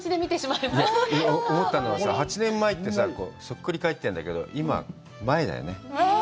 いや、思ったのはさ、８年前ってさ、反っくり返ってんだけど、今、前だよね。